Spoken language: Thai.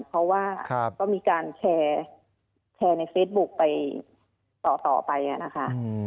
เพราะว่าก็มีการแชร์ในเฟซบุ๊คไปต่อไปนะคะ